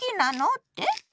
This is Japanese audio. って？